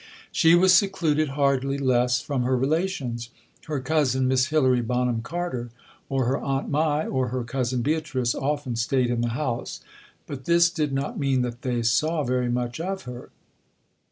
She was secluded hardly less from her relations. Her cousin, Miss Hilary Bonham Carter, or her Aunt Mai, or her cousin Beatrice often stayed in the house; but this did not mean that they saw very much of her.